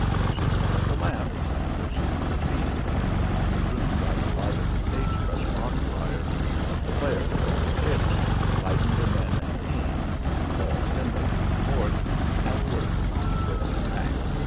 She put out the lamp, for she could see to move about the room by the light of the sage brush bonfires that flared along the ditch, lighting the men and teams, all Finlayson's force, at work upon the broken banks.